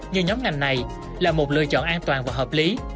như nhóm ngành này là một lựa chọn an toàn và hợp lý